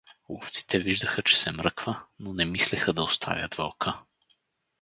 Ловците виждаха, че се мръква, но не мислеха да оставят вълка.